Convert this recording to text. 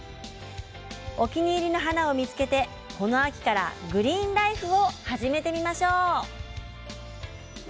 お気に入りの花を見つけてこの秋からグリーンライフを始めてみましょう。